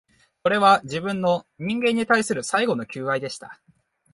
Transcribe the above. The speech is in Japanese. それは、自分の、人間に対する最後の求愛でした